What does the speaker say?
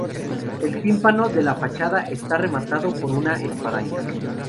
El tímpano de la fachada está rematado por una espadaña.